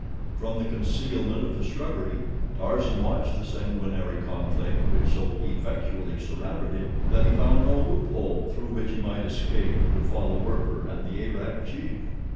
From the concealment of the shrubbery Tarzan watched the sanguinary conflict which so effectually surrounded him that he found no loop hole through which he might escape to follow Werper and the Arab chief.